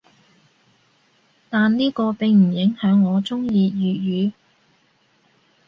但呢個並唔影響我中意粵語‘